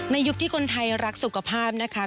ยุคที่คนไทยรักสุขภาพนะคะ